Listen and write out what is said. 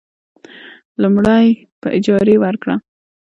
لومړی: په اجارې ورکړه.